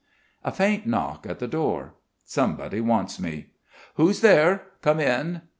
A faint knock at the door. Somebody wants me. "Who's there? Come in!"